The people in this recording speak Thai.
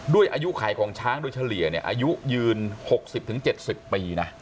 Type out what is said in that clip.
ด้วยอายุไขของช้างโดยเฉลี่ยเนี้ยอายุยืนหกสิบถึงเจ็ดสิบปีนะ